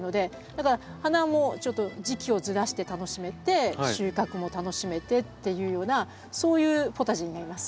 だから花もちょっと時期をずらして楽しめて収穫も楽しめてっていうようなそういうポタジェになります。